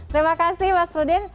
terima kasih mas rudin